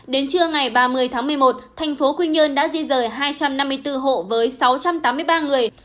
đến trưa ngày ba mươi tháng một mươi một thành phố quy nhơn đã di rời hai trăm năm mươi bốn hộ với sáu trăm tám mươi ba người